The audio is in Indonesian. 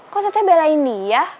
kok tete belain dia